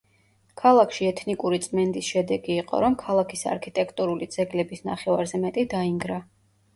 ქალაქში ეთნიკური წმენდის შედეგი იყო, რომ ქალაქის არქიტექტურული ძეგლების ნახევარზე მეტი დაინგრა.